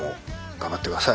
頑張ってください！